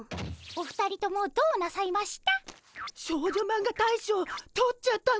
お二人ともどうなさいました？